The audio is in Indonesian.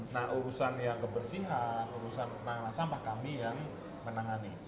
nah urusan yang kebersihan urusan penanganan sampah kami yang menangani